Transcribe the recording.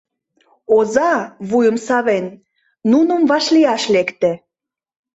Оза, вуйым савен, нуным вашлияш лекте.